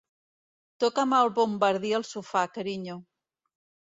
Toca'm el bombardí al sofà, carinyo.